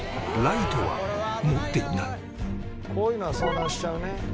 しかし「こういうのは遭難しちゃうね」